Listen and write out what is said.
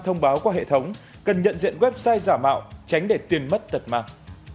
thông báo qua hệ thống cần nhận diện website giả mạo tránh để tiền mất tật mạng